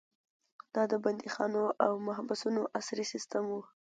دا د بندیخانو او محبسونو عصري سیستم و.